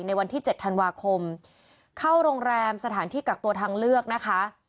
วันที่๗ธันวาคมเข้าโรงแรมสถานที่กักตัวทางเลือกนะคะ